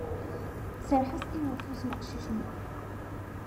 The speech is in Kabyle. Tserreḥ-as i ufus n uqcic-nni.